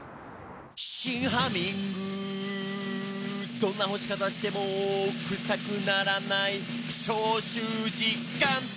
「どんな干し方してもクサくならない」「消臭実感！」